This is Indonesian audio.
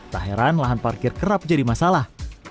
tak heran lahan parkir kerap jadi masalah